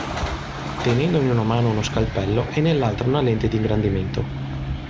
Tenendo in una mano uno scalpello e nell'altra una lente d'ingrandimento.